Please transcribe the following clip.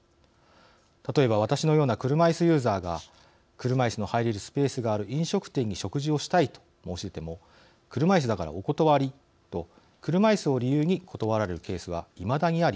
例えば私のような車いすユーザーが車いすの入れるスペースがある飲食店に食事をしたいと申し出ても車いすだからお断りと車いすを理由に断られるケースはいまだにあり